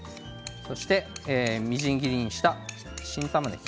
そして、みじん切りにした新たまねぎ。